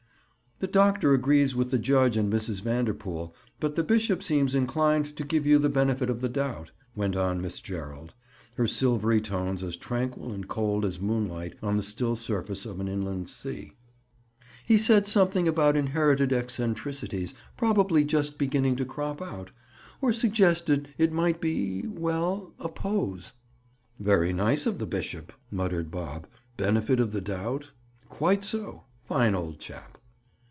"The doctor agrees with the judge and Mrs. Vanderpool, but the bishop seems inclined to give you the benefit of the doubt," went on Miss Gerald, her silvery tones as tranquil and cold as moonlight on the still surface of an inland sea. "He said something about inherited eccentricities, probably just beginning to crop out. Or suggested it might be—well, a pose." "Very nice of the bishop!" muttered Bob. "Benefit of the doubt? Quite so! Fine old chap!"